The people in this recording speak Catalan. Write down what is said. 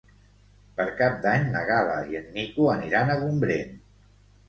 Per Cap d'Any na Gal·la i en Nico aniran a Gombrèn.